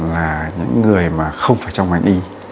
là những người mà không phải trong bệnh y